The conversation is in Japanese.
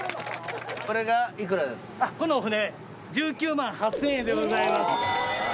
この船１９万８，０００円でございます。